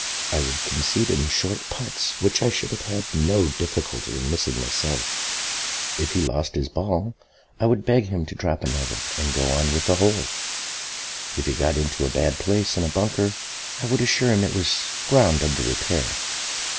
I would concede him short putts which I should have had no difficulty in missing myself; if he lost his ball I would beg him to drop another and go on with the hole; if he got into a bad place in a bunker I would assure him it was ground under repair.